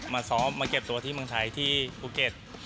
มาซ้อมมาเก็บตัวที่เมืองไทยที่ภูเก็ต